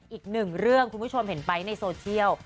อีกหนึ่งเรื่องคุณผู้ชมเห็นไปในโซเชียล